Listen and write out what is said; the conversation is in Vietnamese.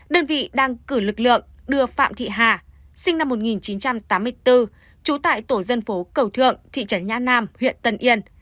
đơn vị đang cử lực lượng đưa phạm thị hà sinh năm một nghìn chín trăm tám mươi bốn trú tại tổ dân phố cầu thượng thị trấn nhã nam huyện tân yên